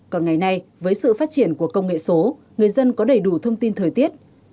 còn ngày nay với sự phát triển của công nghệ số người dân có đầy đủ thông tin thời tiết